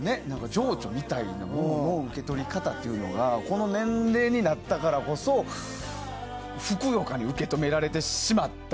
情緒みたいなものの受け取り方っていうのがこの年齢になったからこそふくよかに受け止められてしまった。